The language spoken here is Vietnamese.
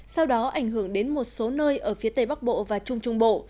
sau đó ảnh hưởng đến một số nơi ở phía tây bắc bộ và trung trung bộ